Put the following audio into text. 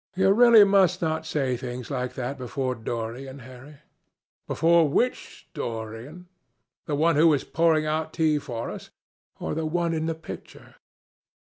"You really must not say things like that before Dorian, Harry." "Before which Dorian? The one who is pouring out tea for us, or the one in the picture?"